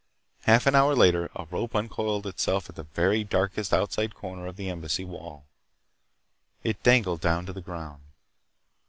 Half an hour later a rope uncoiled itself at the very darkest outside corner of the Embassy wall. It dangled down to the ground.